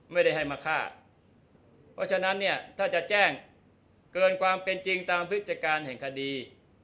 ไม่ได้ให้มาฆ่าเพราะฉะนั้นเนี่ยถ้าจะแจ้งเกินความเป็นจริงตามพฤติการแห่งคดี